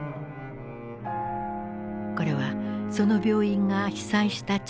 これはその病院が被災した直後の映像。